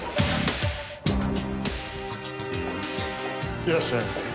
いらっしゃいませ。